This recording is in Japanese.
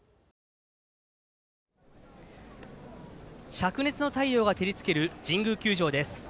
しゃく熱の太陽が照りつける神宮球場です。